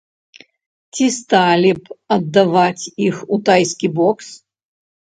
Ці сталі б аддаваць іх у тайскі бокс?